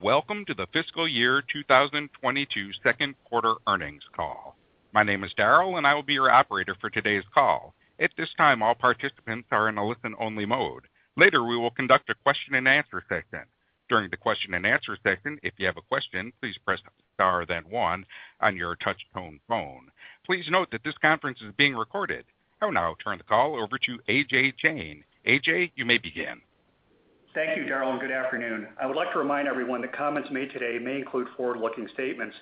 Welcome to the fiscal year 2022 Q2 earnings call. My name is Daryl and I will be your operator for today's call. At this time, all participants are in a listen-only mode. Later, we will conduct a question and answer session. During the question and answer session, if you have a question, please press star then one on your touch-tone phone. Please note that this conference is being recorded. I will now turn the call over to Ajay Jain. AJ, you may begin. Thank you, Daryl, and good afternoon. I would like to remind everyone that comments made today may include forward-looking statements,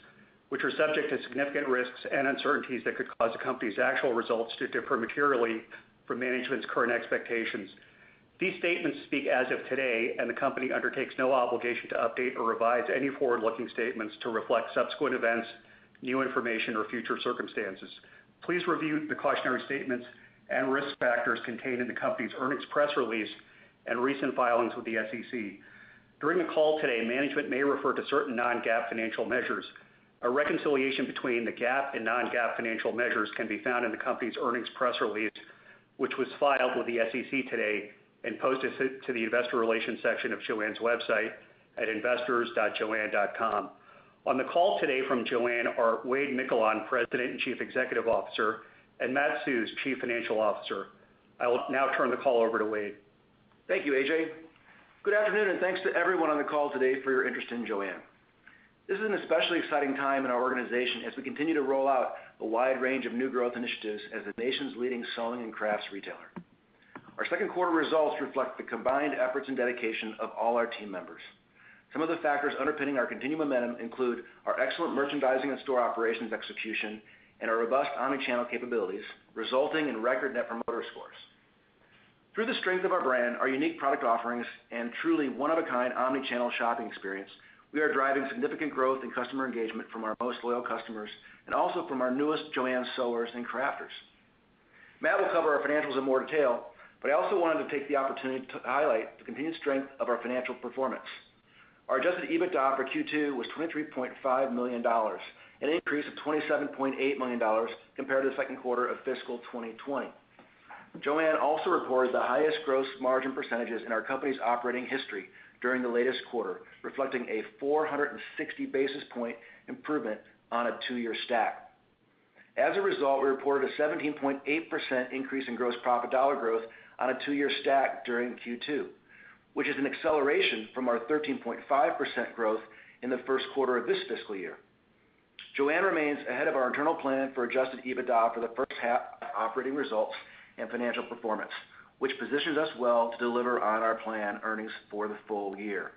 which are subject to significant risks and uncertainties that could cause the company's actual results to differ materially from management's current expectations. These statements speak as of today, and the company undertakes no obligation to update or revise any forward-looking statements to reflect subsequent events, new information, or future circumstances. Please review the cautionary statements and risk factors contained in the company's earnings press release and recent filings with the SEC. During the call today, management may refer to certain non-GAAP financial measures. A reconciliation between the GAAP and non-GAAP financial measures can be found in the company's earnings press release, which was filed with the SEC today and posted to the investor relations section of JOANN's website at investors.joann.com. On the call today from JOANN are Wade Miquelon, President and Chief Executive Officer, and Matt Susz, Chief Financial Officer. I will now turn the call over to Wade. Thank you, AJ. Good afternoon and thanks to everyone on the call today for your interest in JOANN. This is an especially exciting time in our organization as we continue to roll out a wide range of new growth initiatives as the nation's leading sewing and crafts retailer. Our second quarter results reflect the combined efforts and dedication of all our team members. Some of the factors underpinning our continued momentum include our excellent merchandising and store operations execution and our robust omni-channel capabilities, resulting in record net promoter scores. Through the strength of our brand, our unique product offerings, and truly one-of-a-kind omni-channel shopping experience, we are driving significant growth in customer engagement from our most loyal customers, and also from our newest JOANN sewers and crafters. Matt will cover our financials in more detail, but I also wanted to take the opportunity to highlight the continued strength of our financial performance. Our adjusted EBITDA for Q2 was $23.5 million, an increase of $27.8 million compared to the Q2 of fiscal 2020. JOANN also reported the highest gross margin percentages in our company's operating history during the latest quarter, reflecting a 460 basis point improvement on a two-year stack. As a result, we reported a 17.8% increase in gross profit dollar growth on a two-year stack during Q2, which is an acceleration from our 13.5% growth in the Q1 of this fiscal year. JOANN remains ahead of our internal plan for adjusted EBITDA for the first half operating results and financial performance, which positions us well to deliver on our planned earnings for the full year.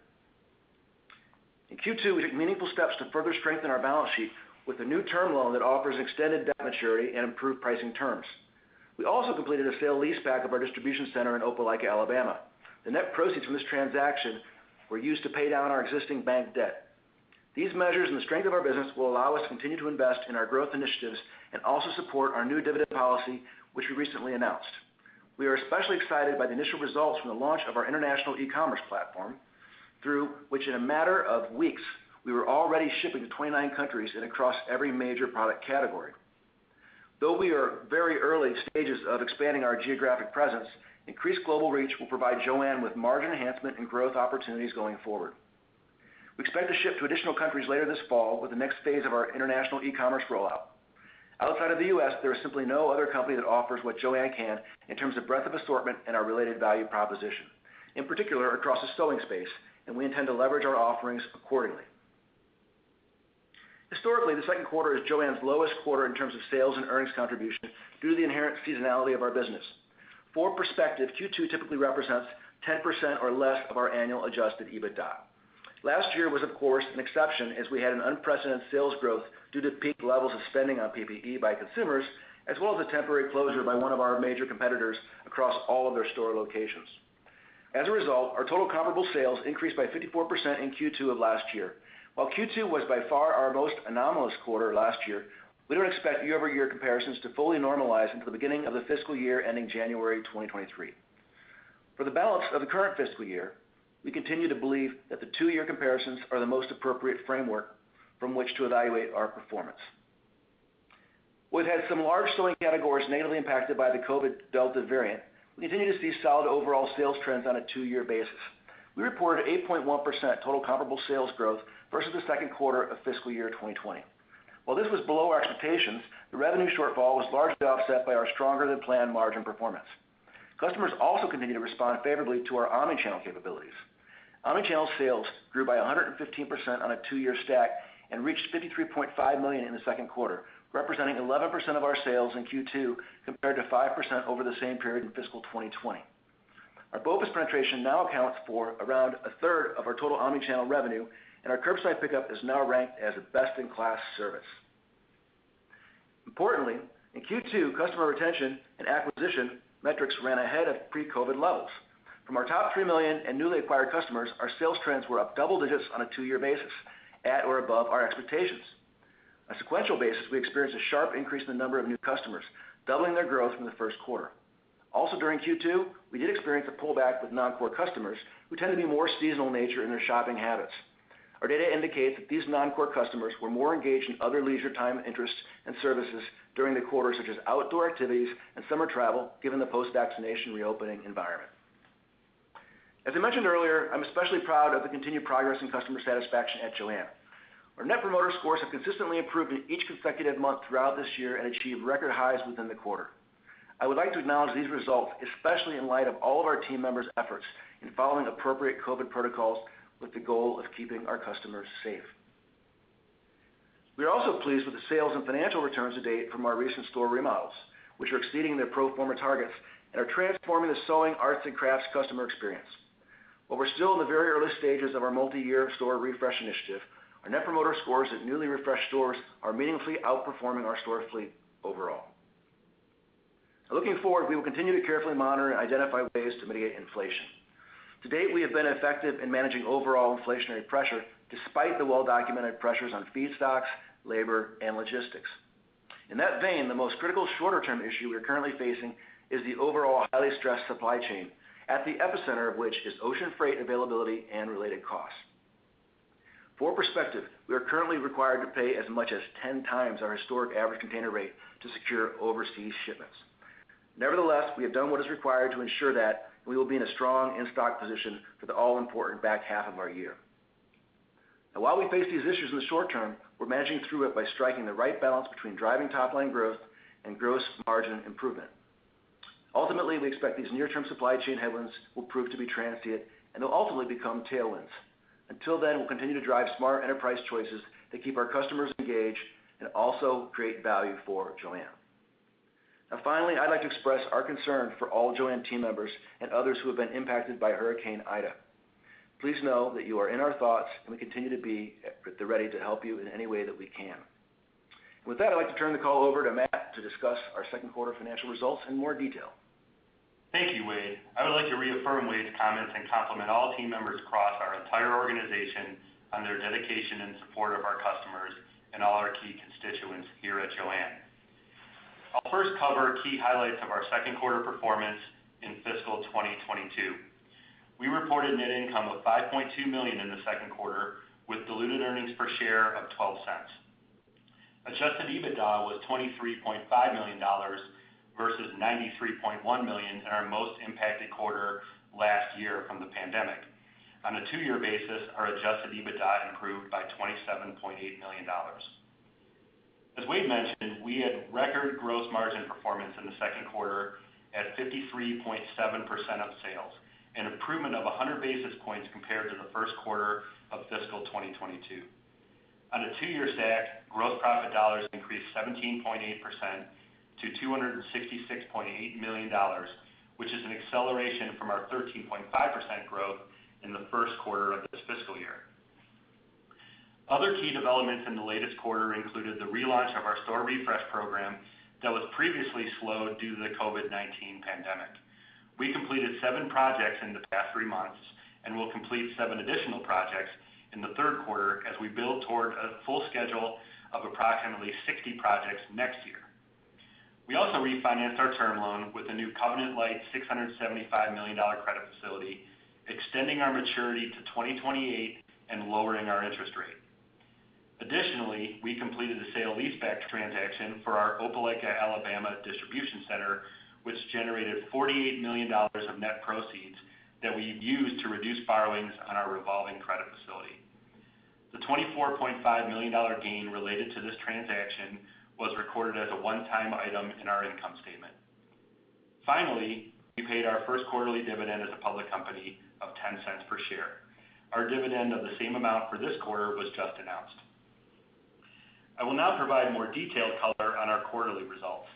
In Q2, we took meaningful steps to further strengthen our balance sheet with a new term loan that offers extended debt maturity and improved pricing terms. We also completed a sale leaseback of our distribution center in Opelika, Alabama. The net proceeds from this transaction were used to pay down our existing bank debt. These measures and the strength of our business will allow us to continue to invest in our growth initiatives and also support our new dividend policy, which we recently announced. We are especially excited by the initial results from the launch of our international e-commerce platform, through which in a matter of weeks, we were already shipping to 29 countries and across every major product category. Though we are very early stages of expanding our geographic presence, increased global reach will provide JOANN with margin enhancement and growth opportunities going forward. We expect to ship to additional countries later this fall with the next phase of our international e-commerce rollout. Outside of the U.S., there is simply no other company that offers what JOANN can in terms of breadth of assortment and our related value proposition. In particular, across the sewing space, and we intend to leverage our offerings accordingly. Historically, the second quarter is JOANN's lowest quarter in terms of sales and earnings contribution due to the inherent seasonality of our business. For perspective, Q2 typically represents 10% or less of our annual adjusted EBITDA. Last year was, of course, an exception as we had an unprecedented sales growth due to peak levels of spending on PPE by consumers, as well as a temporary closure by one of our major competitors across all of their store locations. As a result, our total comparable sales increased by 54% in Q2 of last year. While Q2 was by far our most anomalous quarter last year, we don't expect year-over-year comparisons to fully normalize until the beginning of the fiscal year ending January 2023. For the balance of the current fiscal year, we continue to believe that the two year comparisons are the most appropriate framework from which to evaluate our performance. We've had some large sewing categories negatively impacted by the COVID Delta variant. We continue to see solid overall sales trends on a two year basis. We reported 8.1% total comparable sales growth versus the Q2 of fiscal year 2020. While this was below our expectations, the revenue shortfall was largely offset by our stronger than planned margin performance. Customers also continue to respond favorably to our omni-channel capabilities. omni-channel sales grew by 115% on a two year stack and reached $53.5 million in the second quarter, representing 11% of our sales in Q2 compared to five percent over the same period in fiscal 2020. Our BOPUS penetration now accounts for around a third of our total omni-channel revenue, and our curbside pickup is now ranked as a best-in-class service. Importantly, in Q2, customer retention and acquisition metrics ran ahead of pre-COVID levels. From our top 3 million and newly acquired customers, our sales trends were up double digits on a two-year basis, at or above our expectations. On a sequential basis, we experienced a sharp increase in the number of new customers, doubling their growth from the Q1. Also during Q2, we did experience a pullback with non-core customers who tend to be more seasonal nature in their shopping habits. Our data indicates that these non-core customers were more engaged in other leisure time interests and services during the quarter, such as outdoor activities and summer travel, given the post-vaccination reopening environment. As I mentioned earlier, I'm especially proud of the continued progress in customer satisfaction at JOANN. Our net promoter scores have consistently improved in each consecutive month throughout this year and achieved record highs within the quarter. I would like to acknowledge these results, especially in light of all of our team members' efforts in following appropriate COVID protocols with the goal of keeping our customers safe. We are also pleased with the sales and financial returns to date from our recent store remodels, which are exceeding their pro forma targets and are transforming the sewing, arts, and crafts customer experience. While we're still in the very early stages of our multi-year store refresh initiative, our net promoter scores at newly refreshed stores are meaningfully outperforming our store fleet overall. Looking forward, we will continue to carefully monitor and identify ways to mitigate inflation. To date, we have been effective in managing overall inflationary pressure, despite the well-documented pressures on feedstocks, labor, and logistics. In that vein, the most critical shorter term issue we are currently facing is the overall highly stressed supply chain, at the epicenter of which is ocean freight availability and related costs. For perspective, we are currently required to pay as much as 10 x our historic average container rate to secure overseas shipments. We have done what is required to ensure that we will be in a strong in-stock position for the all-important back half of our year. While we face these issues in the short term, we're managing through it by striking the right balance between driving top line growth and gross margin improvement. We expect these near-term supply chain headwinds will prove to be transient and they'll ultimately become tailwinds. We'll continue to drive smart enterprise choices that keep our customers engaged and also create value for JOANN. Finally, I'd like to express our concern for all JOANN team members and others who have been impacted by Hurricane Ida. Please know that you are in our thoughts, and we continue to be at the ready to help you in any way that we can. With that, I'd like to turn the call over to Matt to discuss our second quarter financial results in more detail. Thank you, Wade. I would like to reaffirm Wade's comments and compliment all team members across our entire organization on their dedication and support of our customers and all our key constituents here at JOANN. I'll first cover key highlights of our Q2 performance in fiscal 2022. We reported net income of $5.2 million in the second quarter, with diluted earnings per share of $0.12. Adjusted EBITDA was $23.5 million versus $93.1 million in our most impacted quarter last year from the pandemic. On a two-year basis, our adjusted EBITDA improved by $27.8 million. As Wade mentioned, we had record gross margin performance in theQ2 at 53.7% of sales, an improvement of 100 basis points compared to the first quarter of fiscal 2022. On a two-year stack, gross profit dollars increased 17.8% - $266.8 million, which is an acceleration from our 13.5% growth in the Q1 of this fiscal year. Other key developments in the latest quarter included the relaunch of our store refresh program that was previously slowed due to the COVID-19 pandemic. We completed seven projects in the past three months and will complete seven additional projects in the Q3 as we build toward a full schedule of approximately 60 projects next year. We also refinanced our term loan with a new covenant-lite, $675 million credit facility, extending our maturity to 2028 and lowering our interest rate. We completed a sale leaseback transaction for our Opelika, Alabama, distribution center, which generated $48 million of net proceeds that we've used to reduce borrowings on our revolving credit facility. The $24.5 million gain related to this transaction was recorded as a one-time item in our income statement. Finally, we paid our Q1 dividend as a public company of $0.10 per share. Our dividend of the same amount for this quarter was just announced. I will now provide more detailed color on our quarterly results.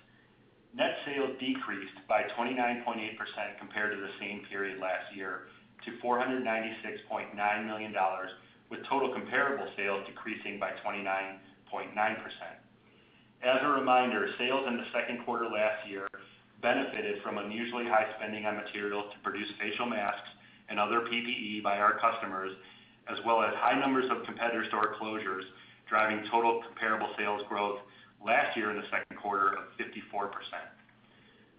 Net sales decreased by 29.8% compared to the same period last year to $496.9 million, with total comparable sales decreasing by 29.9%. As a reminder, sales in the Q2 last year benefited from unusually high spending on materials to produce facial masks and other PPE by our customers, as well as high numbers of competitor store closures, driving total comparable sales growth last year in the second quarter of 54%.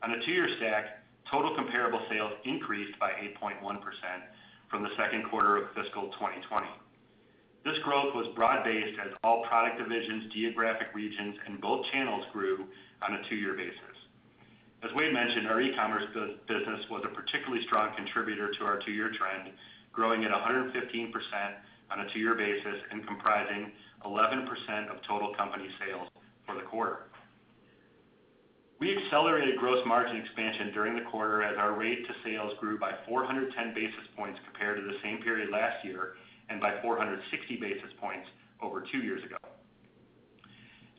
On a two-year stack, total comparable sales increased by 8.1% from the Q2 of fiscal 2020. This growth was broad-based as all product divisions, geographic regions, and both channels grew on a two year basis. As Wade mentioned, our e-commerce business was a particularly strong contributor to our two-year trend, growing at 115% on a two-year basis and comprising 11% of total company sales for the quarter. We accelerated gross margin expansion during the quarter as our rate to sales grew by 410 basis points compared to the same period last year and by 460 basis points over two years ago.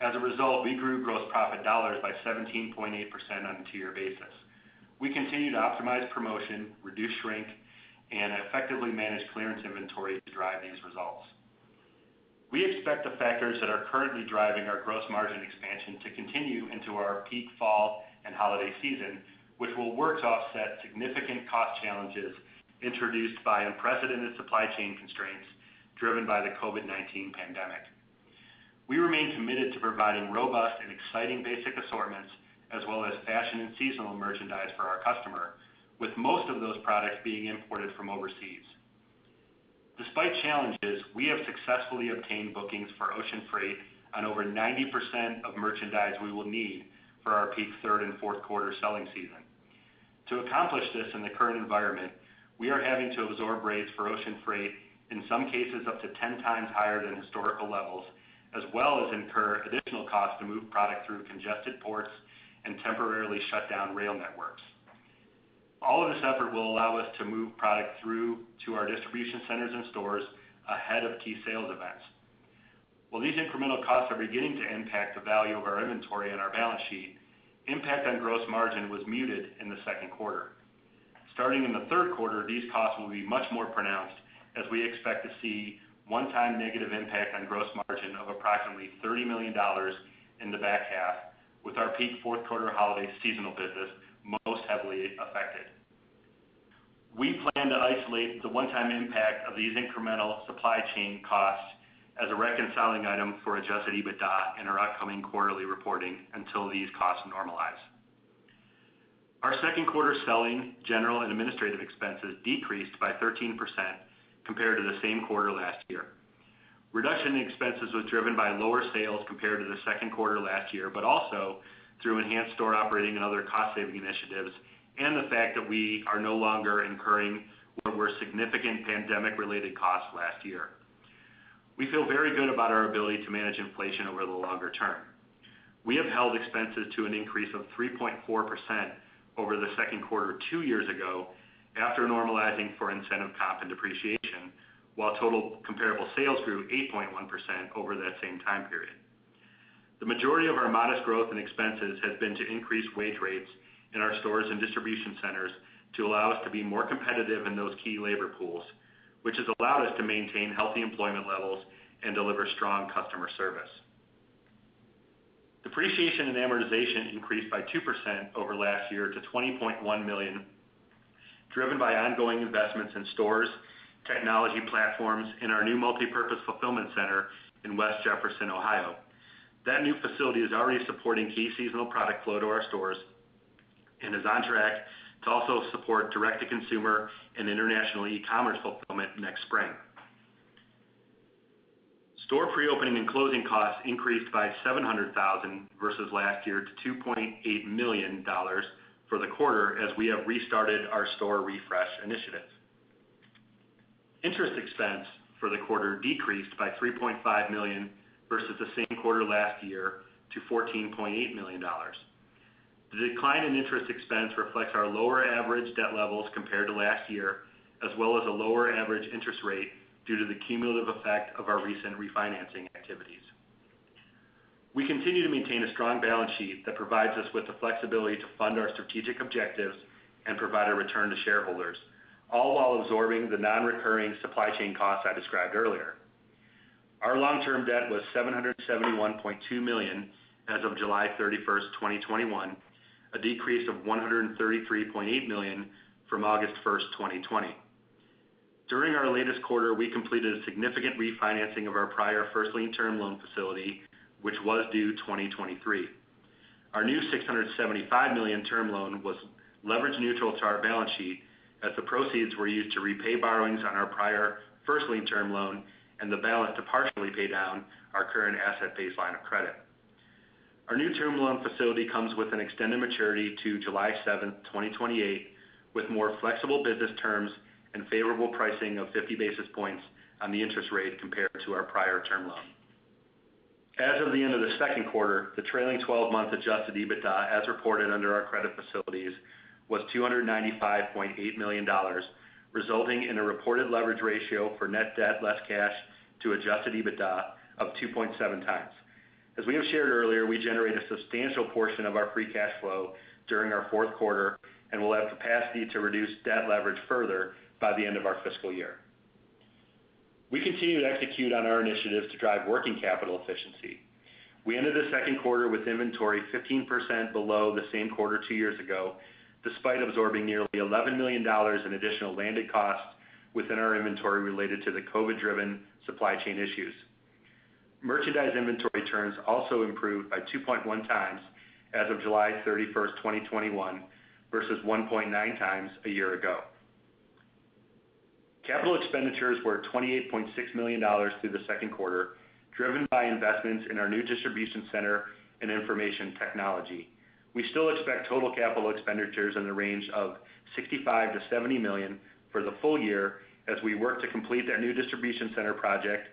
As a result, we grew gross profit dollars by 17.8% on a two year basis. We continue to optimize promotion, reduce shrink, and effectively manage clearance inventory to drive these results. We expect the factors that are currently driving our gross margin expansion to continue into our peak fall and holiday season, which will work to offset significant cost challenges introduced by unprecedented supply chain constraints driven by the COVID-19 pandemic. We remain committed to providing robust and exciting basic assortments as well as fashion and seasonal merchandise for our customer, with most of those products being imported from overseas. Despite challenges, we have successfully obtained bookings for ocean freight on over 90% of merchandise we will need for our peak third and fourth quarter selling season. To accomplish this in the current environment, we are having to absorb rates for ocean freight, in some cases up to 10x higher than historical levels, as well as incur additional cost to move product through congested ports and temporarily shut down rail networks. All of this effort will allow us to move product through to our distribution centers and stores ahead of key sales events. While these incremental costs are beginning to impact the value of our inventory and our balance sheet, impact on gross margin was muted in the Q2. Starting in the Q3, these costs will be much more pronounced as we expect to see one time negative impact on gross margin of approximately $30 million in the back half, with our peak fourth quarter holiday seasonal business most heavily affected. We plan to isolate the one time impact of these incremental supply chain costs as a reconciling item for adjusted EBITDA in our upcoming quarterly reporting until these costs normalize. Our Q2 selling, general and administrative expenses decreased by 13% compared to the same quarter last year. Reduction in expenses was driven by lower sales compared to the Q2 last year, but also through enhanced store operating and other cost saving initiatives, and the fact that we are no longer incurring what were significant pandemic related costs last year. We feel very good about our ability to manage inflation over the longer term. We have held expenses to an increase of 3.4% over the second quarter two years ago after normalizing for incentive comp and depreciation, while total comparable sales grew 8.1% over that same time period. The majority of our modest growth and expenses have been to increase wage rates in our stores and distribution centers to allow us to be more competitive in those key labor pools, which has allowed us to maintain healthy employment levels and deliver strong customer service. Depreciation and amortization increased by two percent over last year to $20.1 million, driven by ongoing investments in stores, technology platforms, and our new multipurpose fulfillment center in West Jefferson, Ohio. That new facility is already supporting key seasonal product flow to our stores and is on track to also support direct to consumer and international e-commerce fulfillment next spring. Store pre-opening and closing costs increased by $700,000 versus last year to $2.8 million for the quarter as we have restarted our store refresh initiatives. Interest expense for the quarter decreased by $3.5 million versus the same quarter last year to $14.8 million. The decline in interest expense reflects our lower average debt levels compared to last year, as well as a lower average interest rate due to the cumulative effect of our recent refinancing activities. We continue to maintain a strong balance sheet that provides us with the flexibility to fund our strategic objectives and provide a return to shareholders, all while absorbing the non-recurring supply chain costs I described earlier. Our long-term debt was $771.2 million as of July 31st, 2021, a decrease of $133.8 million from August 1st, 2020. During our latest quarter, we completed a significant refinancing of our prior first lien term loan facility, which was due 2023. Our new $675 million term loan was leverage neutral to our balance sheet as the proceeds were used to repay borrowings on our prior first lien term loan and the balance to partially pay down our current asset-based line of credit. Our new term loan facility comes with an extended maturity to July 7th, 2028, with more flexible business terms and favorable pricing of 50 basis points on the interest rate compared to our prior term loan. As of the end of the Q2, the trailing 12 month adjusted EBITDA as reported under our credit facilities was $295.8 million, resulting in a reported leverage ratio for net debt less cash to adjusted EBITDA of 2.7x. As we have shared earlier, we generate a substantial portion of our free cash flow during our Q4 and will have capacity to reduce debt leverage further by the end of our fiscal year. We continue to execute on our initiatives to drive working capital efficiency. We ended the Q2 with inventory 15% below the same quarter two years ago, despite absorbing nearly $11 million in additional landed costs within our inventory related to the COVID driven supply chain issues. Merchandise inventory turns also improved by 2.1x as of July 31, 2021 versus 1.9x a year ago. Capital expenditures were $28.6 million through the Q2, driven by investments in our new distribution center and information technology. We still expect total capital expenditures in the range of $65 million-$70 million for the full year as we work to complete that new distribution center project,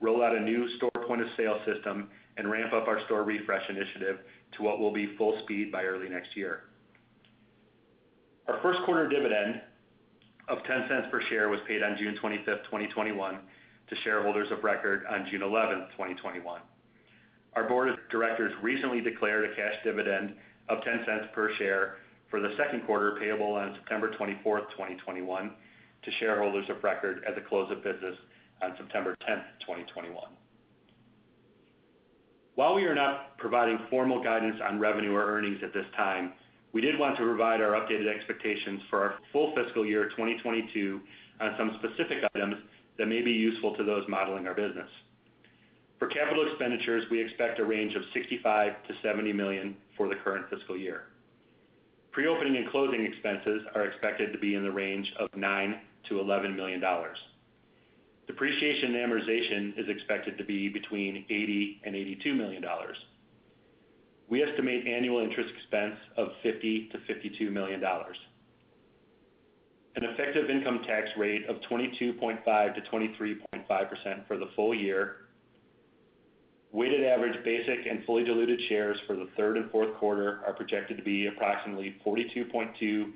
roll out a new store point of sale system, and ramp up our store refresh initiative to what will be full speed by early next year. OurQ1 dividend of $0.10 per share was paid on June 25, 2021 to shareholders of record on June 11, 2021. Our board of directors recently declared a cash dividend of $0.10 per share for the Q2, payable on September 24th, 2021 to shareholders of record at the close of business on September 10th, 2021. While we are not providing formal guidance on revenue or earnings at this time, we did want to provide our updated expectations for our full fiscal year 2022 on some specific items that may be useful to those modeling our business. For capital expenditures, we expect a range of $65 million-$70 million for the current fiscal year. Pre-opening and closing expenses are expected to be in the range of $9 million-$11 million. Depreciation and amortization is expected to be between $80 million and $82 million. We estimate annual interest expense of $50 million-$52 million. An effective income tax rate of 22.5%-23.5% for the full year. Weighted average basic and fully diluted shares for the Q3 and Q4 are projected to be approximately 42.2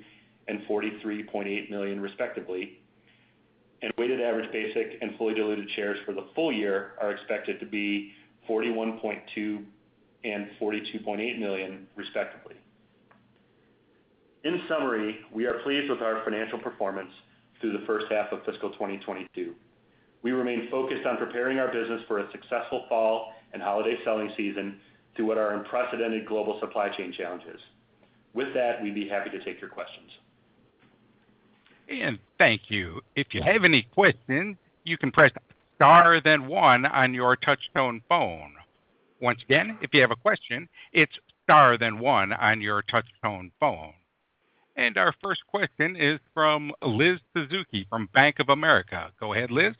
and 43.8 million respectively. Weighted average basic and fully diluted shares for the full year are expected to be 41.2 and 42.8 million respectively. In summary, we are pleased with our financial performance through the first half of fiscal 2022. We remain focused on preparing our business for a successful fall and holiday selling season through what are unprecedented global supply chain challenges. With that, we'd be happy to take your questions. Thank you. If you have any questions, you can press star, then one on your touch-tone phone. Once again, if you have a question, it's star, then one on your touch-tone phone. Our first question is from Liz Suzuki from Bank of America. Go ahead, Liz.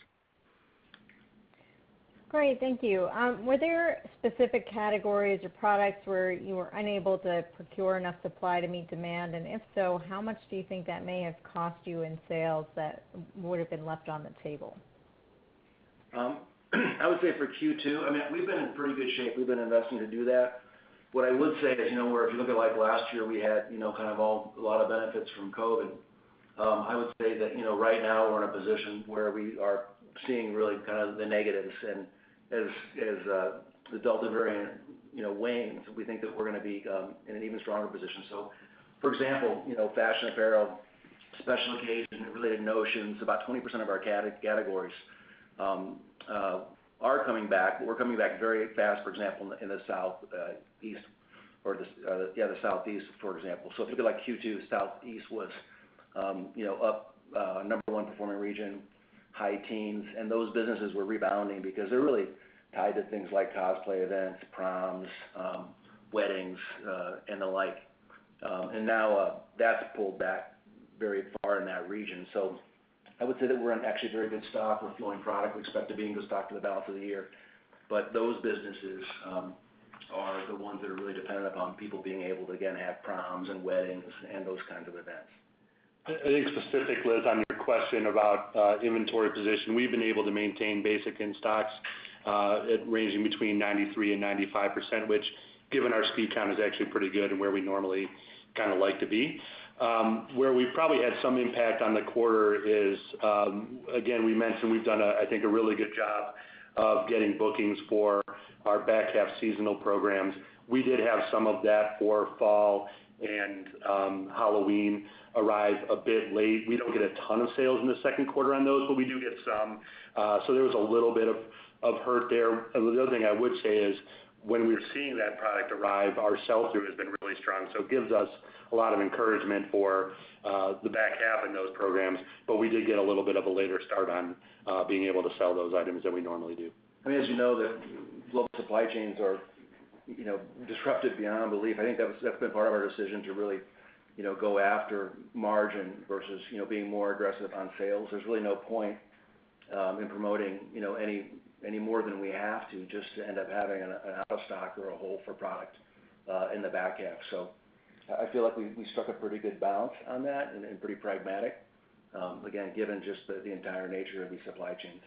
Great. Thank you. Were there specific categories or products where you were unable to procure enough supply to meet demand? If so, how much do you think that may have cost you in sales that would've been left on the table? I would say for Q2, we've been in pretty good shape. We've been investing to do that. What I would say is, if you look at last year, we had a lot of benefits from COVID. I would say that right now we're in a position where we are seeing really the negatives. As the Delta variant wanes, we think that we're going to be in an even stronger position. For example, fashion apparel, special occasion-related notions, about 20% of our categories are coming back, but we're coming back very fast, for example, in the Southeast, for example. If you look at Q2, Southeast was up, number one performing region, high teens, and those businesses were rebounding because they're really tied to things like cosplay events, proms, weddings, and the like. Now, that's pulled back very far in that region. I would say that we're in actually very good stock. We're flowing product. We expect to be in good stock through the balance of the year. Those businesses are the ones that are really dependent upon people being able to, again, have proms and weddings and those kinds of events. I think specifically, Liz, on your question about inventory position, we've been able to maintain basic in-stocks at ranging between 93% - 95%, which given our speed count, is actually pretty good and where we normally kind of like to be. Where we've probably had some impact on the quarter is, again, we mentioned we've done, I think, a really good job of getting bookings for our back half seasonal programs. We did have some of that for fall and Halloween arrive a bit late. We don't get a ton of sales in the Q2on those, but we do get some. There was a little bit of hurt there. The other thing I would say is when we are seeing that product arrive, our sell-through has been really strong. It gives us a lot of encouragement for the back half in those programs, but we did get a little bit of a later start on being able to sell those items than we normally do. As you know, the global supply chains are disrupted beyond belief. I think that's been part of our decision to really go after margin versus being more aggressive on sales. There's really no point in promoting any more than we have to just to end up having an out of stock or a hole for product in the back half. I feel like we struck a pretty good balance on that and pretty pragmatic, again, given just the entire nature of the supply chains.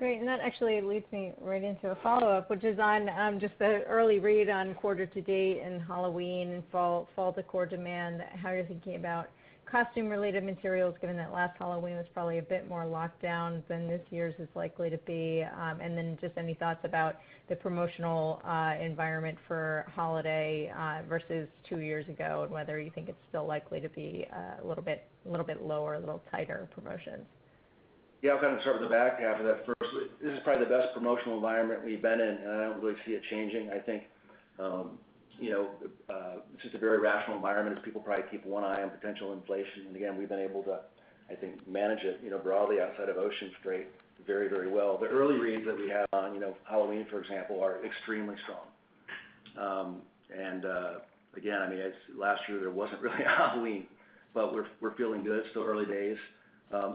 Great. That actually leads me right into a follow-up, which is on just the early read on quarter to date and Halloween, fall to core demand. How are you thinking about costume-related materials, given that last Halloween was probably a bit more locked down than this year's is likely to be? Then just any thoughts about the promotional environment for holiday versus two years ago, and whether you think it's still likely to be a little bit lower, a little tighter promotions? Yeah. I'll kind of start with the back half of that first. This is probably the best promotional environment we've been in, and I don't really see it changing. I think it's just a very rational environment as people probably keep one eye on potential inflation. Again, we've been able to, I think, manage it broadly outside of ocean freight very, very well. The early reads that we have on Halloween, for example, are extremely strong. Again, last year there wasn't really a Halloween, but we're feeling good. Still early days.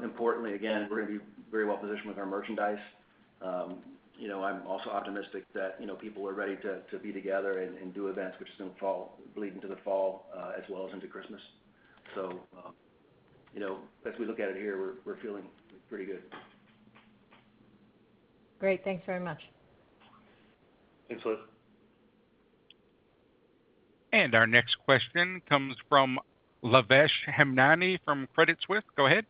Importantly, again, we're going to be very well positioned with our merchandise. I'm also optimistic that people are ready to be together and do events, which is going to bleed into the fall as well as into Christmas. As we look at it here, we're feeling pretty good. Great. Thanks very much. Thanks, Liz. Our next question comes from Lavesh Hemnani from Credit Suisse. Go ahead.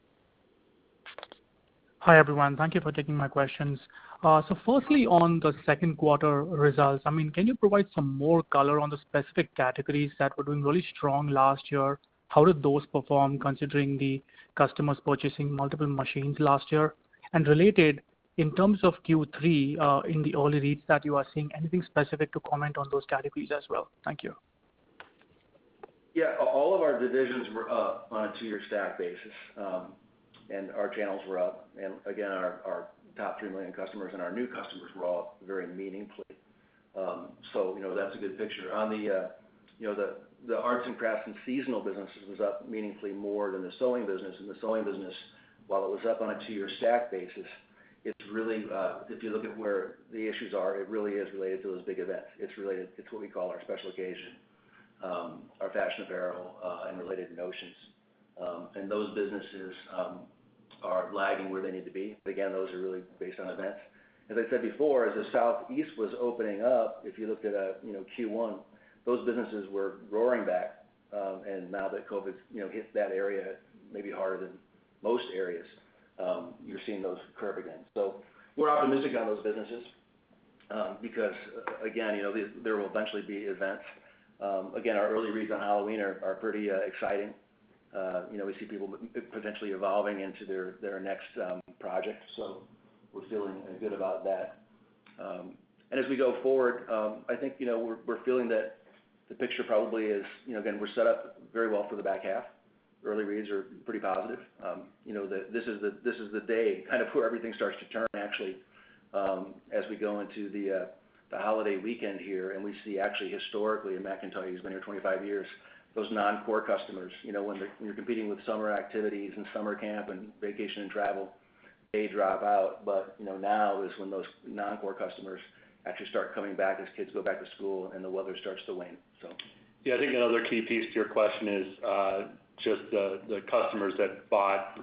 Hi, everyone. Thank you for taking my questions. Firstly, on the Q2 results, can you provide some more color on the specific categories that were doing really strong last year? How did those perform considering the customers purchasing multiple machines last year? Related, in terms of Q3, in the early reads that you are seeing, anything specific to comment on those categories as well? Thank you. Yeah. All of our divisions were up on a two year stack basis, our channels were up. Again, our top 3 million customers and our new customers were all up very meaningfully. That's a good picture. The arts and crafts and seasonal businesses was up meaningfully more than the sewing business. The sewing business, while it was up on a two year stack basis, if you look at where the issues are, it really is related to those big events. It's related to what we call our special occasion, our fashion apparel, and related notions. Those businesses are lagging where they need to be. Again, those are really based on events. As I said before, as the Southeast was opening up, if you looked at Q1, those businesses were roaring back. Now that COVID hit that area maybe harder than most areas, you're seeing those curve again. We're optimistic on those businesses, because again, there will eventually be events. Our early reads on Halloween are pretty exciting. We see people potentially evolving into their next project. We're feeling good about that. As we go forward, I think we're feeling that the picture probably is, again, we're set up very well for the back half. Early reads are pretty positive. This is the day where everything starts to turn, actually, as we go into the holiday weekend here, and we see actually historically, and Matt can tell you, he's been here 25 years, those non-core customers. When you're competing with summer activities and summer camp and vacation and travel, they drop out. Now is when those non-core customers actually start coming back as kids go back to school and the weather starts to wane. Yeah, I think another key piece to your question is just the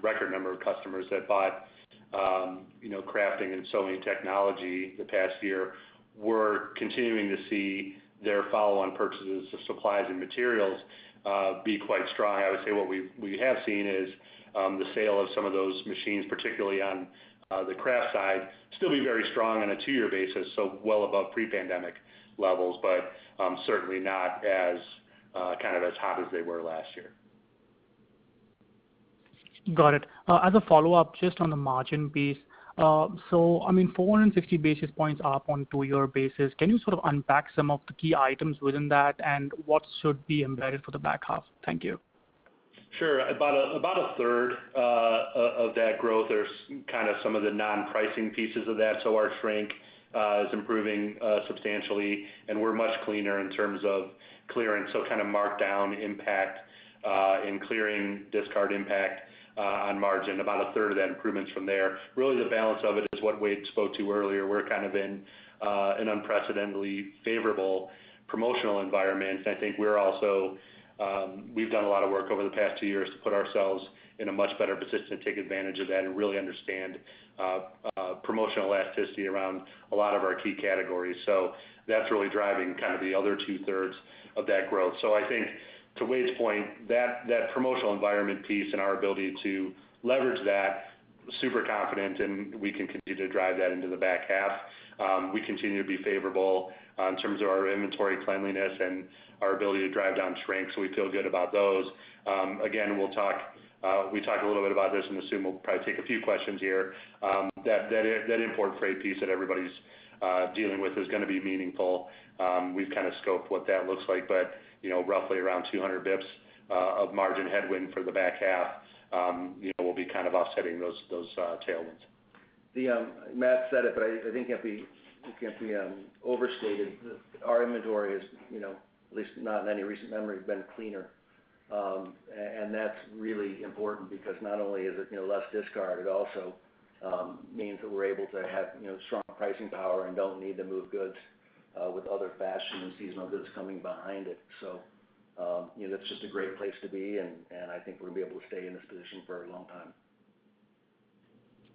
record number of customers that bought crafting and sewing technology the past year. We're continuing to see their follow-on purchases of supplies and materials be quite strong. I would say what we have seen is the sale of some of those machines, particularly on the craft side, still be very strong on a two-year basis, so well above pre-pandemic levels, but certainly not as hot as they were last year. Got it. As a follow-up, just on the margin piece. 460 basis points up on two year basis. Can you sort of unpack some of the key items within that, and what should be embedded for the back half? Thank you. Sure. About a third of that growth are some of the non-pricing pieces of that. Our shrink is improving substantially, and we're much cleaner in terms of clearance. Markdown impact and clearing discard impact on margin, about a third of that improvement's from there. The balance of it is what Wade spoke to earlier. We're kind of in an unprecedentedly favorable promotional environment. I think we've done a lot of work over the past two years to put ourselves in a much better position to take advantage of that and really understand promotional elasticity around a lot of our key categories. That's really driving the other two-thirds of that growth. I think to Wade's point, that promotional environment piece and our ability to leverage that, super confident, and we can continue to drive that into the back half. We continue to be favorable in terms of our inventory cleanliness and our ability to drive down shrink. We feel good about those. Again, we talked a little bit about this, and assume we'll probably take a few questions here. That import freight piece that everybody's dealing with is going to be meaningful. We've kind of scoped what that looks like, but roughly around 200 basis points of margin headwind for the back half will be kind of offsetting those tailwinds. Matt said it. I think it can't be overstated. Our inventory is, at least not in any recent memory, been cleaner. That's really important because not only is it less discard, it also means that we're able to have strong pricing power and don't need to move goods with other fashion and seasonal goods coming behind it. It's just a great place to be, and I think we're going to be able to stay in this position for a long time.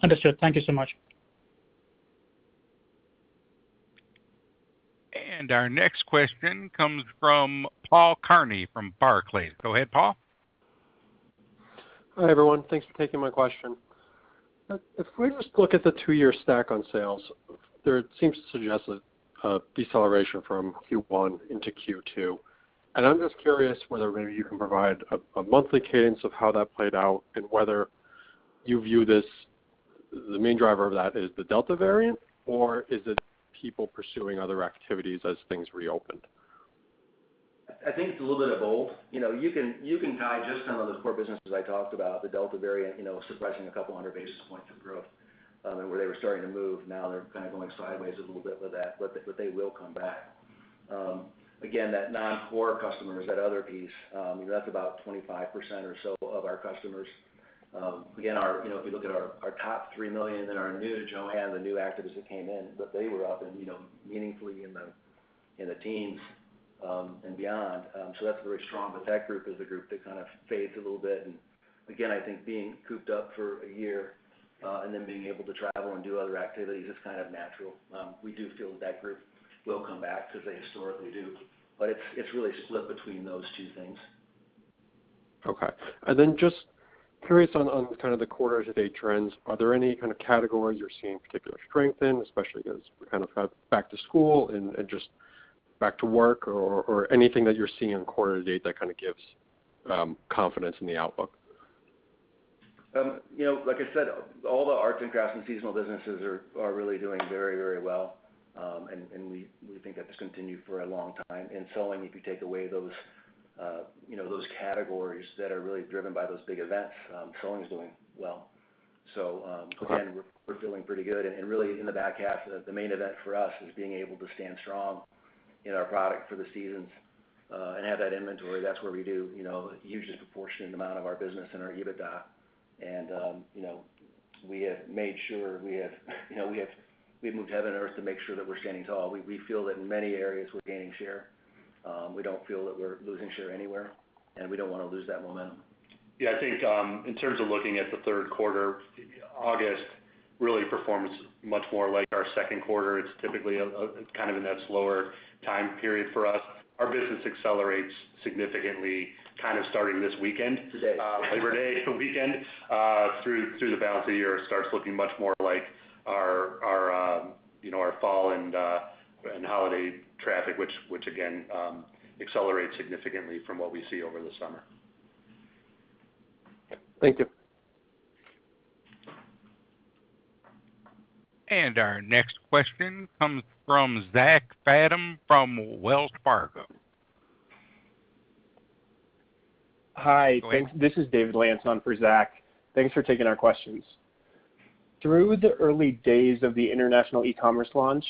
Understood. Thank you so much. Our next question comes from Paul Kearney from Barclays. Go ahead, Paul. Hi, everyone. Thanks for taking my question. If we just look at the two year stack on sales, there seems to suggest a deceleration from Q1 into Q2. I'm just curious whether maybe you can provide a monthly cadence of how that played out and whether you view the main driver of that is the Delta variant, or is it people pursuing other activities as things reopened? I think it's a little bit of both. You can tie just some of those core businesses I talked about, the Delta variant suppressing a couple hundred basis points of growth. Where they were starting to move, now they're kind of going sideways a little bit with that, but they will come back. Again, that non-core customer is that other piece. That's about 25% or so of our customers. Again, if you look at our top 3 million and our new JOANN, the new actives that came in, but they were up and meaningfully in the teens and beyond. That's very strong. That group is the group that kind of fades a little bit. Again, I think being cooped up for a year and then being able to travel and do other activities, it's kind of natural. We do feel that that group will come back because they historically do, but it's really split between those two things. Okay. Just curious on the quarter to date trends. Are there any kind of categories you're seeing particular strength in, especially as we're kind of back to school and just back to work? Anything that you're seeing quarter to date that kind of gives confidence in the outlook? Like I said, all the arts and crafts and seasonal businesses are really doing very well. We think that this will continue for a long time in selling, if you take away those categories that are really driven by those big events. Selling is doing well. Again, we're feeling pretty good. Really in the back half, the main event for us is being able to stand strong in our product for the seasons, and have that inventory. That's where we do the hugest proportionate amount of our business and our EBITDA. We have moved heaven and earth to make sure that we're standing tall. We feel that in many areas we're gaining share. We don't feel that we're losing share anywhere, and we don't want to lose that momentum. Yeah, I think, in terms of looking at the third quarter, August really performs much more like our second quarter. It is typically in that slower time period for us. Our business accelerates significantly starting this weekend. Today. Labor Day weekend, through the balance of the year, it starts looking much more like our fall and holiday traffic, which again, accelerates significantly from what we see over the summer. Thank you. Our next question comes from Zachary Fadem from Wells Fargo. Hi. Go ahead. This is David Lantz on for Zach. Thanks for taking our questions. Through the early days of the international e-commerce launch,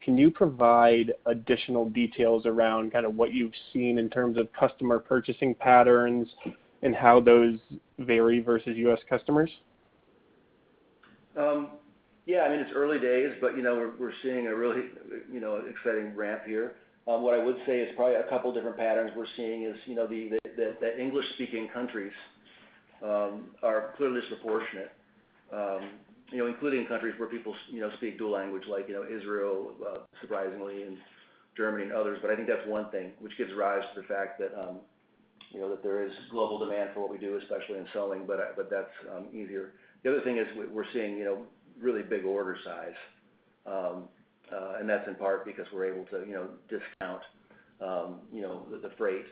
can you provide additional details around what you've seen in terms of customer purchasing patterns and how those vary versus U.S. customers? Yeah, it's early days, but we're seeing a really exciting ramp here. What I would say is probably a two different patterns we're seeing is that English speaking countries are clearly disproportionate, including countries where people speak dual language like Israel, surprisingly, and Germany and others. I think that's one thing which gives rise to the fact that there is global demand for what we do, especially in selling, but that's easier. The other thing is we're seeing really big order size. That's in part because we're able to discount the freight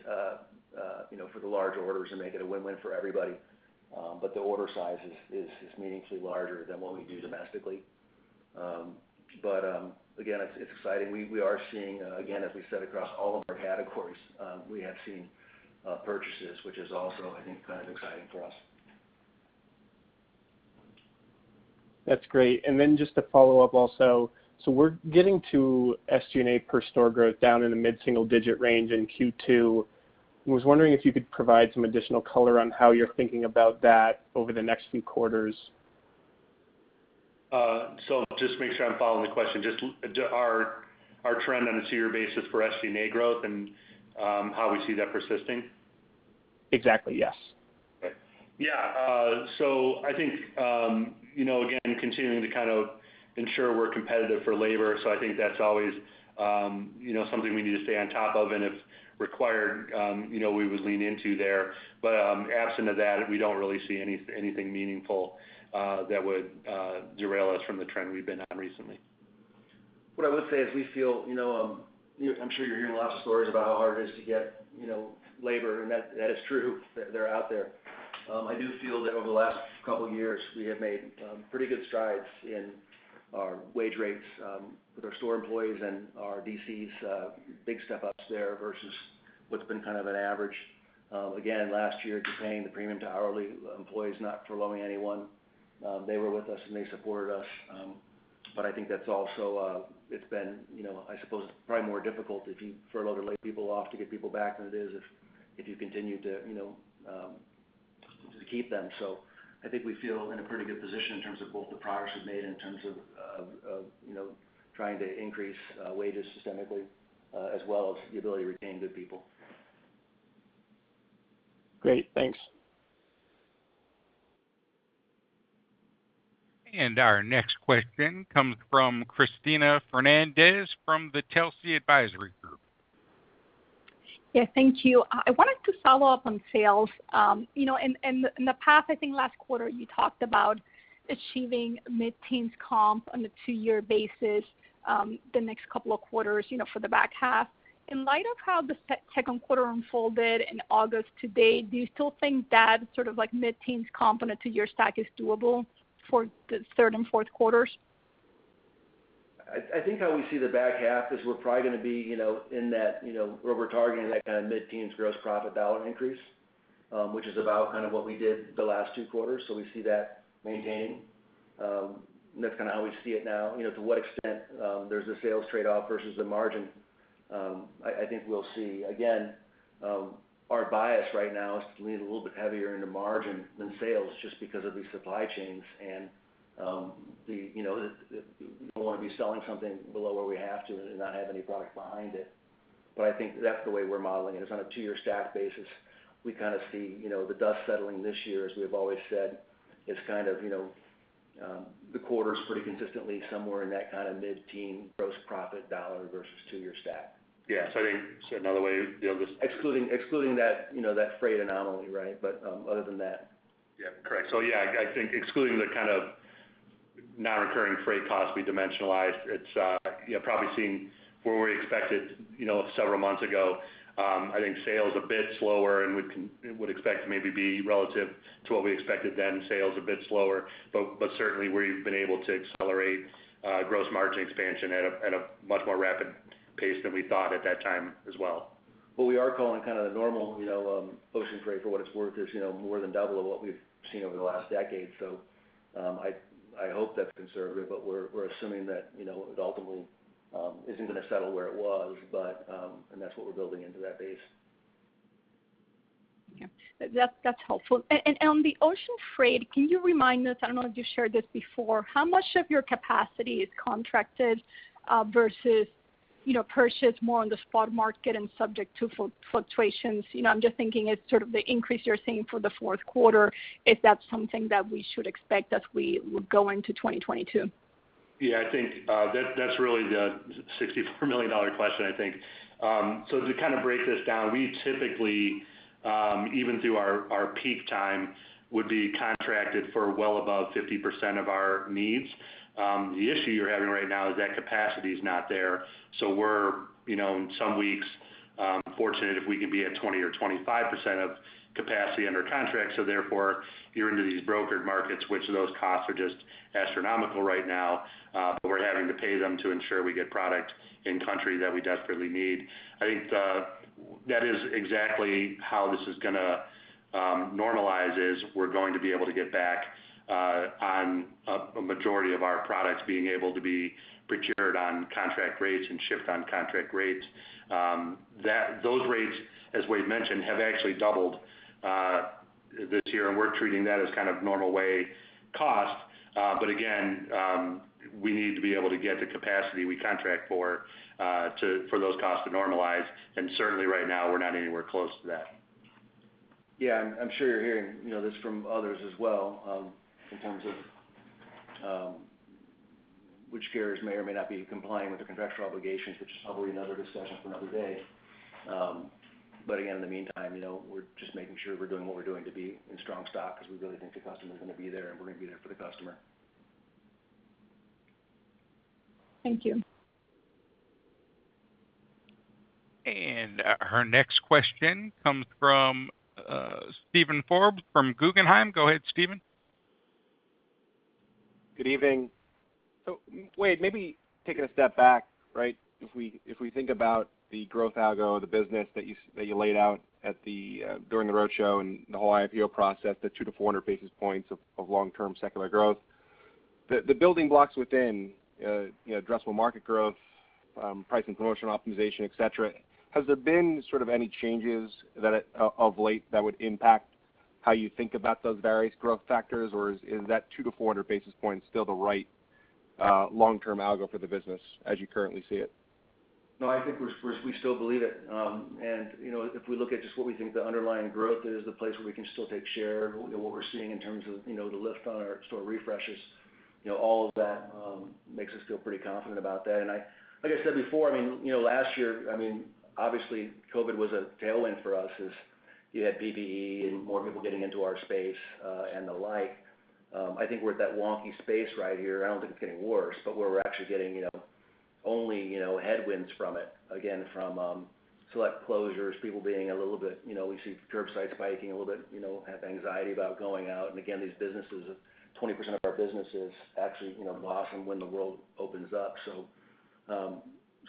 for the large orders and make it a win-win for everybody. The order size is meaningfully larger than what we do domestically. Again, it's exciting. We are seeing, again, as we said, across all of our categories, we have seen purchases, which is also, I think exciting for us. That's great. Just to follow up also, we're getting to SG&A per store growth down in the mid-single digit range in Q2. I was wondering if you could provide some additional color on how you're thinking about that over the next few quarters. Just make sure I'm following the question. Just our trend on a two-year basis for SG&A growth and how we see that persisting? Exactly, yes. Okay. Yeah. I think, again, continuing to ensure we're competitive for labor. I think that's always something we need to stay on top of, and if required, we would lean into there. Absent of that, we don't really see anything meaningful that would derail us from the trend we've been on recently. What I would say is we feel I'm sure you're hearing a lot of stories about how hard it is to get labor, that is true. They're out there. I do feel that over the last couple of years, we have made pretty good strides in our wage rates, with our store employees and our DCs, big step-ups there versus what's been an average. Again, last year, paying the premium to hourly employees, not furloughing anyone. They were with us, they supported us. I think that also it's been, I suppose, probably more difficult if you furlough to lay people off to get people back than it is if you continue to just keep them. I think we feel in a pretty good position in terms of both the progress we've made in terms of trying to increase wages systemically, as well as the ability to retain good people. Great. Thanks. Our next question comes from Cristina Fernandez from the Telsey Advisory Group. Thank you. I wanted to follow up on sales. In the past, I think last quarter, you talked about achieving mid-teens comp on the two year basis, the next couple of quarters for the back half. In light of how the second quarter unfolded in August to date, do you still think that mid-teens comp on a two-year stack is doable for the Q3 and Q4? I think how we see the back half is we're probably going to be in that, where we're targeting that kind of mid-teens gross profit dollar increase, which is about what we did the last two quarters. We see that maintaining. That's how we see it now. To what extent there's a sales trade-off versus the margin, I think we'll see. Again, our bias right now is to lean a little bit heavier into margin than sales, just because of these supply chains and we don't want to be selling something below where we have to and not have any product behind it. I think that's the way we're modeling it. It's on a two year stack basis. We see the dust settling this year, as we have always said, is the quarters pretty consistently somewhere in that kind of mid-teen gross profit dollar versus two year stack. Yeah. I think said another way. Excluding that freight anomaly, right? Other than that. Yeah, correct. Yeah, I think excluding the Non-recurring freight costs we dimensionalize. It's probably seen where we expected several months ago. I think sales a bit slower and would expect to maybe be relative to what we expected then sales a bit slower, but certainly where you've been able to accelerate gross margin expansion at a much more rapid pace than we thought at that time as well. What we are calling kind of the normal ocean freight for what it's worth is more than double of what we've seen over the last decade. I hope that's conservative, but we're assuming that it ultimately isn't going to settle where it was, and that's what we're building into that base. Okay. That's helpful. On the ocean freight, can you remind us, I don't know if you shared this before, how much of your capacity is contracted versus purchased more on the spot market and subject to fluctuations? I'm just thinking as sort of the increase you're seeing for the Q4, if that's something that we should expect as we go into 2022. Yeah, I think that's really the $64 million question, I think. To kind of break this down, we typically, even through our peak time, would be contracted for well above 50% of our needs. The issue you're having right now is that capacity is not there. We're, in some weeks, fortunate if we can be at 20 or 25% of capacity under contract. Therefore, you're into these brokered markets, which those costs are just astronomical right now. We're having to pay them to ensure we get product in country that we desperately need. I think that is exactly how this is going to normalize, is we're going to be able to get back on a majority of our products being able to be procured on contract rates and shipped on contract rates. Those rates, as Wade mentioned, have actually doubled this year, and we're treating that as kind of normal freight cost. Again, we need to be able to get the capacity we contract for those costs to normalize. Certainly right now, we're not anywhere close to that. I'm sure you're hearing this from others as well in terms of which carriers may or may not be complying with the contractual obligations, which is probably another discussion for another day. Again, in the meantime, we're just making sure we're doing what we're doing to be in strong stock because we really think the customer is going to be there, and we're going to be there for the customer. Thank you. Our next question comes from Steven Forbes from Guggenheim. Go ahead, Steven. Good evening. Wade, maybe taking a step back. If we think about the growth algo of the business that you laid out during the roadshow and the whole IPO process, the 2- 400 basis points of long-term secular growth. The building blocks within addressable market growth, price and promotion optimization, et cetera, has there been sort of any changes of late that would impact how you think about those various growth factors? Is that 2 - 400 basis points still the right long-term algo for the business as you currently see it? No, I think we still believe it. If we look at just what we think the underlying growth is, the place where we can still take share, what we're seeing in terms of the lift on our store refreshes, all of that makes us feel pretty confident about that. Like I said before, last year, obviously COVID was a tailwind for us as you had PPE and more people getting into our space, and the like. I think we're at that wonky space right here. I don't think it's getting worse, but where we're actually getting only headwinds from it, again, from select closures, people being a little bit. We see curbside spiking a little bit, have anxiety about going out. Again, 20% of our business is actually loss when the world opens up.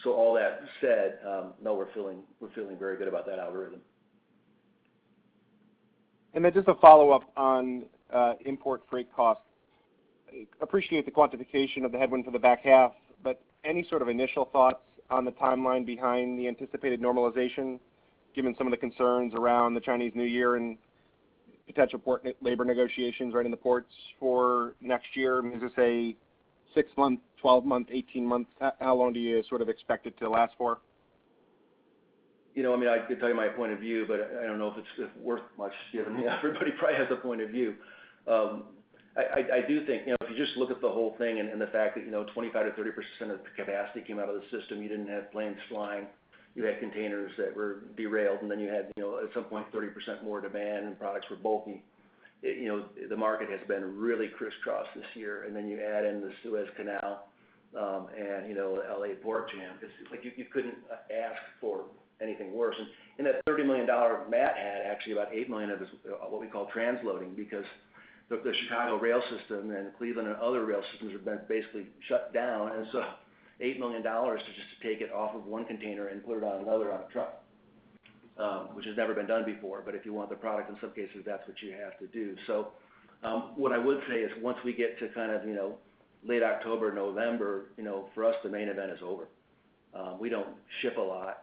All that said, no, we're feeling very good about that algorithm. Just a follow-up on import freight costs. Appreciate the quantification of the headwind for the back half, any sort of initial thoughts on the timeline behind the anticipated normalization, given some of the concerns around the Chinese New Year and potential port labor negotiations right in the ports for next year? Is this a six month, 12 month, 18 months? How long do you sort of expect it to last for? I could tell you my point of view, but I don't know if it's worth much given everybody probably has a point of view. I do think, if you just look at the whole thing and the fact that 25%-30% of the capacity came out of the system, you didn't have planes flying, you had containers that were derailed, and then you had, at some point, 30% more demand and products were bulking. The market has been really crisscrossed this year. You add in the Suez Canal, and L.A. port jam. It's like you couldn't ask for anything worse. That $30 million Matt had, actually about $8 million of it is what we call transloading because the Chicago rail system and Cleveland and other rail systems have been basically shut down. $8 million to just take it off of one container and put it on another, on a truck, which has never been done before. If you want the product, in some cases, that's what you have to do. What I would say is once we get to kind of late October, November, for us, the main event is over. We don't ship a lot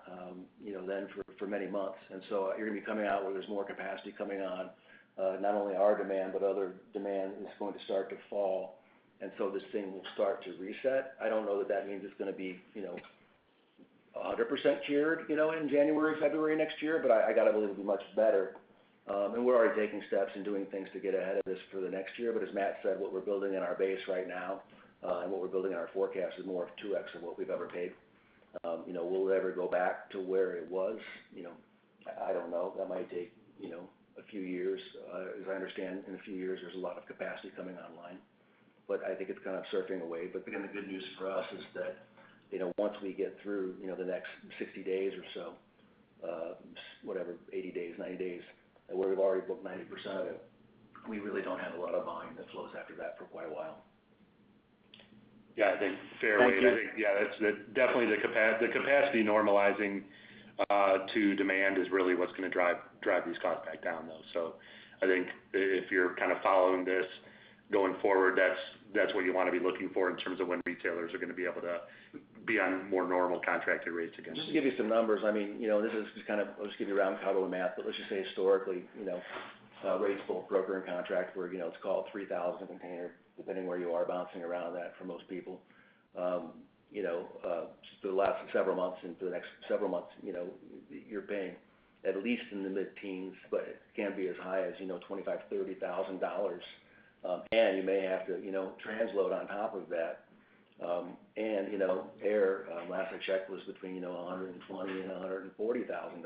then for many months. You're going to be coming out where there's more capacity coming on. Not only our demand, but other demand is going to start to fall, and so this thing will start to reset. I don't know that that means it's going to be 100% cured in January or February next year, but I got to believe it'll be much better. We're already taking steps and doing things to get ahead of this for the next year. As Matt said, what we're building in our base right now, and what we're building in our forecast is more of 2x of what we've ever paid. Will it ever go back to where it was? I don't know. That might take a few years. As I understand, in a few years, there's a lot of capacity coming online, but I think it's kind of surfing a wave. Again, the good news for us is that, once we get through the next 60 days or so, whatever, 80 days, 90 days, where we've already booked 90% of it, we really don't have a lot of volume that flows after that for quite a while. Yeah, I think fair way to think. Thank you. Yeah, definitely the capacity normalizing to demand is really what's going to drive these costs back down, though. I think if you're kind of following this going forward, that's what you want to be looking for in terms of when retailers are going to be able to be on more normal contracted rates again. Just to give you some numbers. I'll just give you a round cowboy math, but let's just say historically, a rate book broker and contract where it's called $3,000 and depending where you are, bouncing around that for most people. Just through the last several months and through the next several months, you're paying at least in the mid-teens, but it can be as high as $25,000-$30,000. You may have to transload on top of that. Air, last I checked, was between $120,000-$140,000.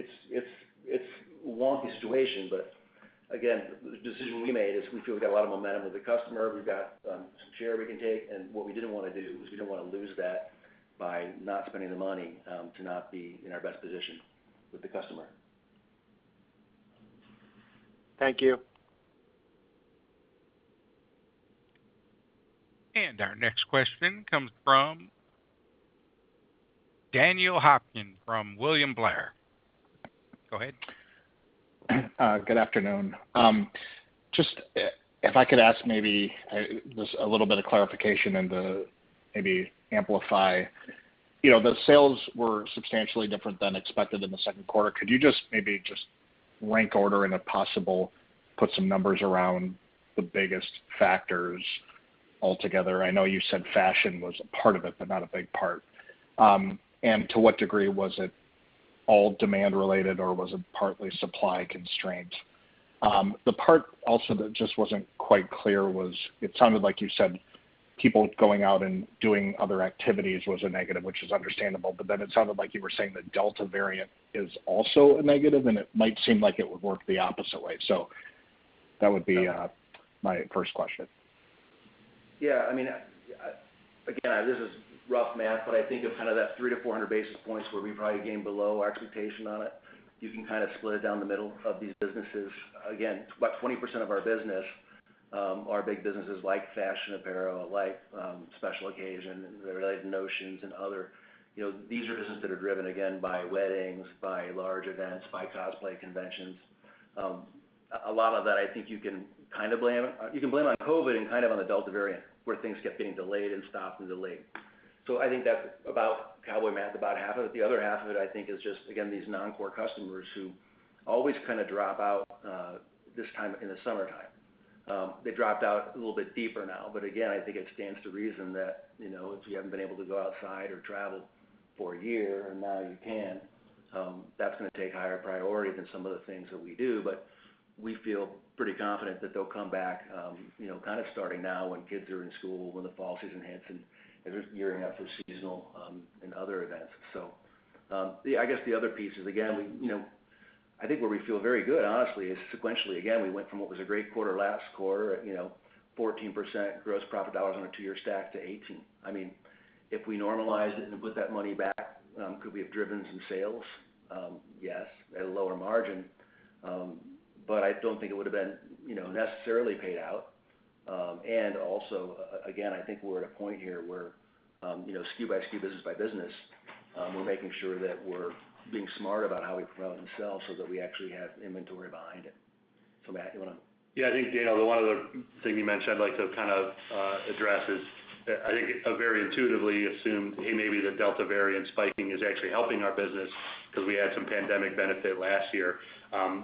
It's a lumpy situation, but again, the decision we made is we feel we've got a lot of momentum with the customer. We've got some share we can take, and what we didn't want to do is we didn't want to lose that by not spending the money to not be in our best position with the customer. Thank you. Our next question comes from Daniel Hofkin from William Blair. Go ahead. Good afternoon. Just if I could ask maybe just a little bit of clarification and to maybe amplify. The sales were substantially different than expected in the Q2. Could you just maybe just rank order and if possible, put some numbers around the biggest factors altogether? I know you said fashion was a part of it, but not a big part. To what degree was it all demand related, or was it partly supply constraint? The part also that just wasn't quite clear was it sounded like you said people going out and doing other activities was a negative, which is understandable, but then it sounded like you were saying the Delta variant is also a negative, and it might seem like it would work the opposite way. That would be my first question. Yeah. Again, this is rough math, but I think of kind of that 300-400 basis points where we probably gained below our expectation on it. You can kind of split it down the middle of these businesses. Again, about 20% of our business are big businesses like fashion apparel, like special occasion, and they're related to notions and other. These are businesses that are driven, again, by weddings, by large events, by cosplay conventions. A lot of that I think you can blame on COVID and kind of on the Delta variant, where things kept being delayed and stopped and delayed. I think that's about, cowboy math, about half of it. The other half of it, I think, is just, again, these non-core customers who always kind of drop out this time in the summertime. They dropped out a little bit deeper now, again, I think it stands to reason that if you haven't been able to go outside or travel for a year and now you can, that's going to take higher priority than some of the things that we do. We feel pretty confident that they'll come back kind of starting now when kids are in school, when the fall season hits and as we're gearing up for seasonal and other events. I guess the other piece is, again, I think where we feel very good, honestly, is sequentially again, we went from what was a great quarter last quarter at 14% gross profit dollars on a two year stack to 18%. If we normalize it and put that money back, could we have driven some sales? Yes, at a lower margin, I don't think it would've been necessarily paid out. Also, again, I think we're at a point here where SKU by SKU, business by business, we're making sure that we're being smart about how we promote and sell so that we actually have inventory behind it. Matt, you want to? Yeah, I think, Daniel, the one other thing you mentioned I'd like to kind of address is I think very intuitively assume, hey, maybe the Delta variant spiking is actually helping our business because we had some pandemic benefit last year.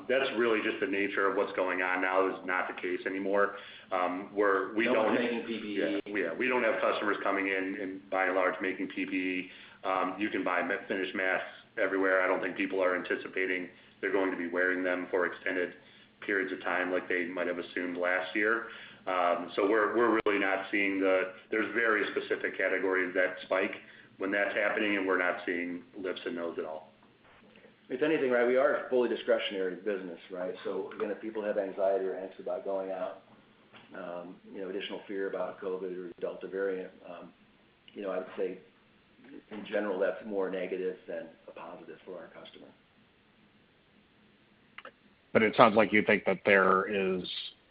That's really just the nature of what's going on now is not the case anymore, where we don't No one's making PPE. Yeah. We don't have customers coming in and by and large making PPE. You can buy finished masks everywhere. I don't think people are anticipating they're going to be wearing them for extended periods of time like they might have assumed last year. We're really not seeing there's very specific categories that spike when that's happening, and we're not seeing lifts in those at all. If anything, we are a fully discretionary business, right? Again, if people have anxiety or angst about going out, additional fear about COVID or the Delta variant, I would say in general, that's more negative than a positive for our customer. It sounds like you think that there is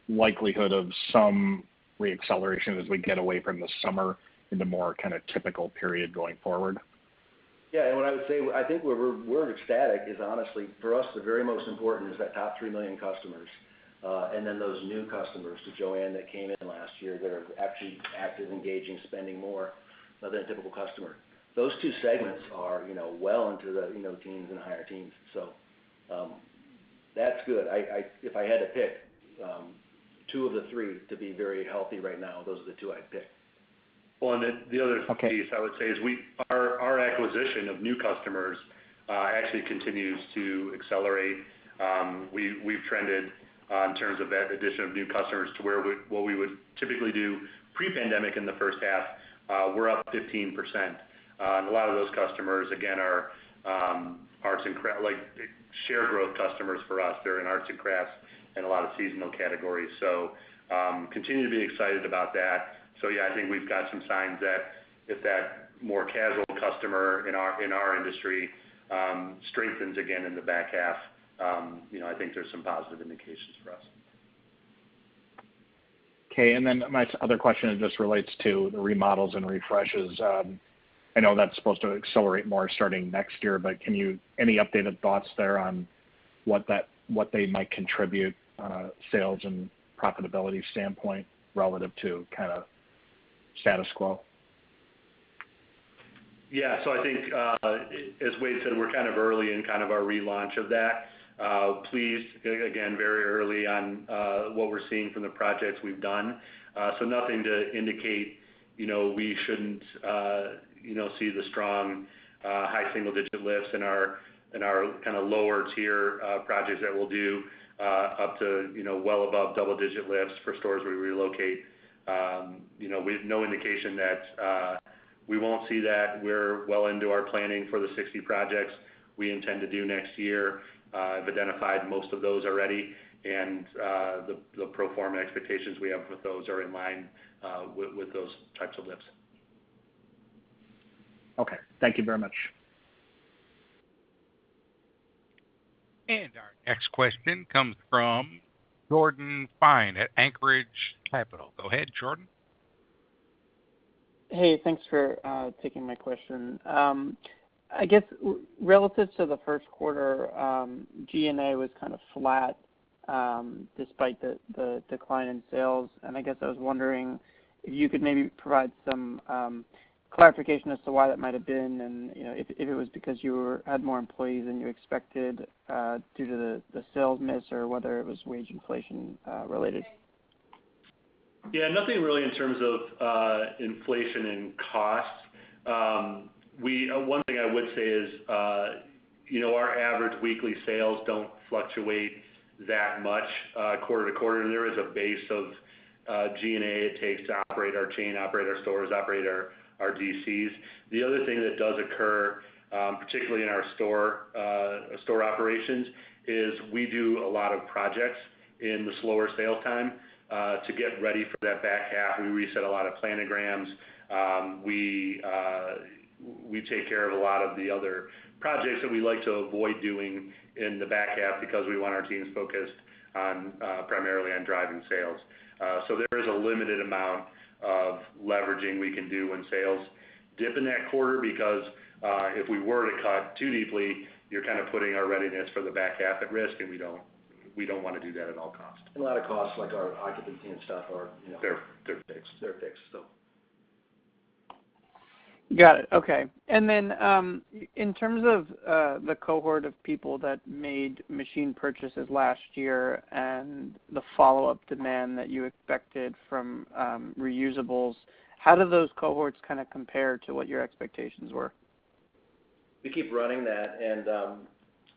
likelihood of some re-acceleration as we get away from the summer into more kind of typical period going forward. Yeah, what I would say, I think where we're ecstatic is honestly, for us, the very most important is that top 3 million customers. Those new customers to JOANN that came in last year that are actually active, engaging, spending more than a typical customer. Those two segments are well into the teens and higher teens. That's good. If I had to pick two of the three to be very healthy right now, those are the two I'd pick. The other piece I would say is our acquisition of new customers actually continues to accelerate. We've trended in terms of that addition of new customers to what we would typically do pre-pandemic in the first half. We're up 15%. A lot of those customers, again, are share growth customers for us. They're in arts and crafts and a lot of seasonal categories. Continue to be excited about that. I think we've got some signs that if that more casual customer in our industry strengthens again in the back half, I think there's some positive indications for us. Okay, my other question just relates to the remodels and refreshes. I know that's supposed to accelerate more starting next year, but any updated thoughts there on what they might contribute, sales and profitability standpoint, relative to status quo? Yeah. I think, as Wade said, we're early in our relaunch of that. Pleased, again, very early on what we're seeing from the projects we've done. Nothing to indicate we shouldn't see the strong high single digit lifts in our lower tier projects that we'll do up to well above double digit lifts for stores where we relocate. We have no indication that we won't see that. We're well into our planning for the 60 projects we intend to do next year. I've identified most of those already. And the pro forma expectations we have with those are in line with those types of lifts. Okay. Thank you very much. Our next question comes from Jordan Fine at Anchorage Capital. Go ahead, Jordan. Hey, thanks for taking my question. I guess relative to the first quarter, G&A was kind of flat, despite the decline in sales. I guess I was wondering if you could maybe provide some clarification as to why that might have been and if it was because you had more employees than you expected due to the sales miss or whether it was wage inflation related. Yeah, nothing really in terms of inflation and cost. One thing I would say is our average weekly sales don't fluctuate that much quarter to quarter. There is a base of G&A it takes to operate our chain, operate our stores, operate our DCs. The other thing that does occur, particularly in our store operations, is we do a lot of projects in the slower sale time to get ready for that back half. We reset a lot of planograms. We take care of a lot of the other projects that we like to avoid doing in the back half because we want our teams focused primarily on driving sales. There is a limited amount of leveraging we can do when sales dip in that quarter because if we were to cut too deeply, you're kind of putting our readiness for the back half at risk, and we don't want to do that at all costs. A lot of costs like our occupancy and stuff are. They're fixed. they're fixed. Got it. Okay. Then, in terms of the cohort of people that made machine purchases last year and the follow-up demand that you expected from reusables, how do those cohorts kind of compare to what your expectations were? We keep running that.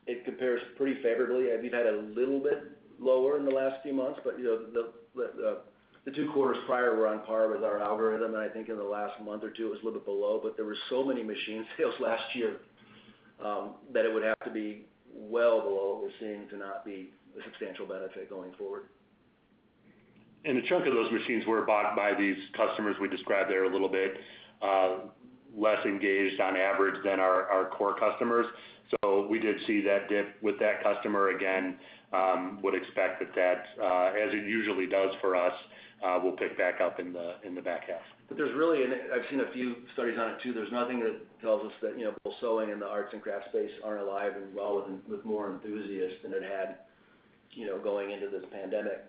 It compares pretty favorably. We've had a little bit lower in the last few months, but the Q2 prior were on par with our algorithm, and I think in the last month or two, it was a little bit below, but there were so many machine sales last year that it would have to be well below to seem to not be a substantial benefit going forward. A chunk of those machines were bought by these customers we described there a little bit. Less engaged on average than our core customers. We did see that dip with that customer again. Would expect that that, as it usually does for us, will pick back up in the back half. There's really I've seen a few studies on it too. There's nothing that tells us that sewing and the arts and crafts space aren't alive and well with more enthusiasm than it had going into this pandemic.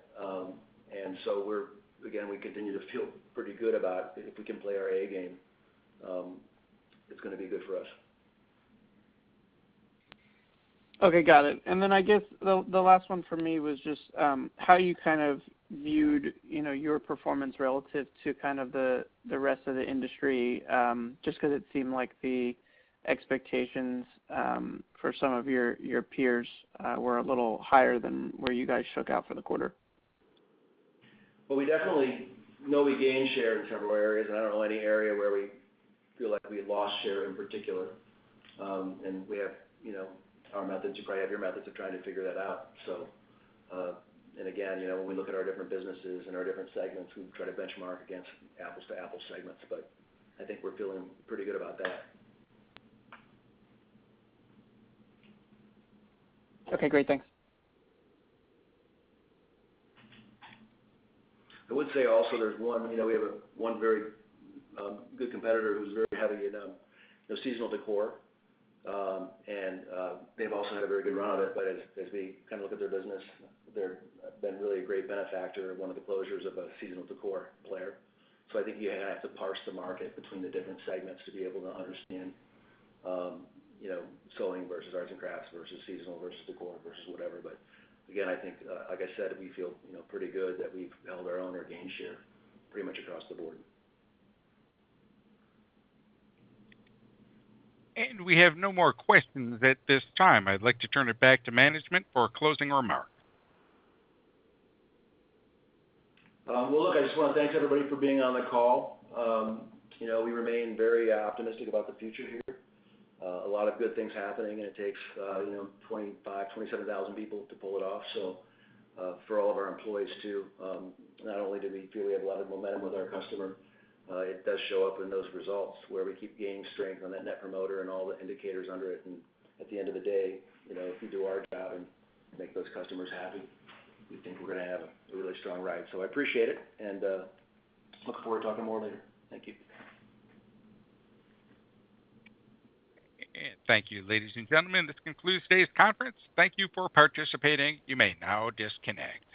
Again, we continue to feel pretty good about if we can play our A game, it's going to be good for us. Okay. Got it. I guess the last one for me was just how you kind of viewed your performance relative to the rest of the industry, just because it seemed like the expectations for some of your peers were a little higher than where you guys shook out for the quarter. Well, we definitely know we gained share in several areas, and I don't know any area where we feel like we lost share in particular. We have our methods, you probably have your methods of trying to figure that out. Again, when we look at our different businesses and our different segments, we try to benchmark against apples to apples segments, but I think we're feeling pretty good about that. Okay, great. Thanks. I would say also there's one very good competitor who's very heavy in seasonal decor, and they've also had a very good run of it. As we look at their business, they've been really a great benefactor of one of the closures of a seasonal decor player. I think you have to parse the market between the different segments to be able to understand sewing versus arts and crafts versus seasonal versus decor versus whatever. Again, I think, like I said, we feel pretty good that we've held our own or gained share pretty much across the board. We have no more questions at this time. I'd like to turn it back to management for a closing remark. Look, I just want to thank everybody for being on the call. We remain very optimistic about the future here. A lot of good things happening, it takes 25,000, 27,000 people to pull it off. For all of our employees too, not only do we feel we have a lot of momentum with our customer, it does show up in those results where we keep gaining strength on that net promoter and all the indicators under it. At the end of the day, if we do our job and make those customers happy, we think we're going to have a really strong ride. I appreciate it, and look forward to talking more later. Thank you. Thank you, ladies and gentlemen. This concludes today's conference. Thank you for participating. You may now disconnect.